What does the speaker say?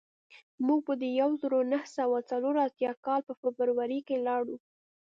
موږ د یو زرو نهه سوه څلور اتیا کال په فبروري کې لاړو